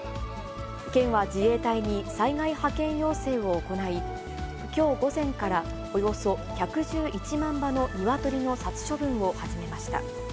県は自衛隊に災害派遣要請を行い、きょう午前から、およそ１１１万羽の鶏の殺処分を始めました。